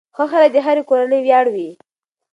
ښه خلک د هرې کورنۍ ویاړ وي.